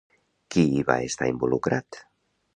Qui hi va estar involucrat?